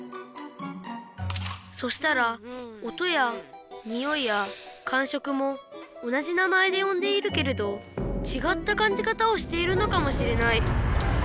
そしたら音やにおいやかんしょくも同じ名前でよんでいるけれどちがったかんじかたをしているのかもしれない。